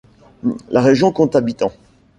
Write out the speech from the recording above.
La région compte habitants.